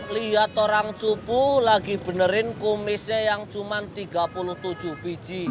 lihat orang cupu lagi benerin kumisnya yang cuma tiga puluh tujuh biji